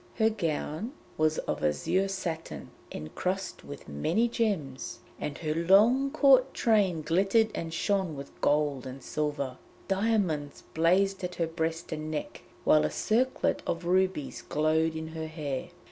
Her gown was of azure satin, encrusted with many gems, and her long court train glittered and shone with gold and silver. Diamonds blazed at her breast and neck, while a circlet of rubies glowed in her hair.